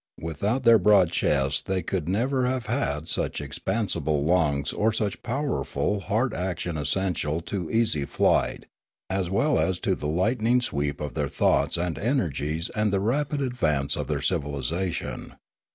Without their broad chests they could never have had such ex pansible lungs or such powerful heart action essential to easy flight, as well as to the lightning sweep of their thoughts and energies and the rapid advance of their civilisation.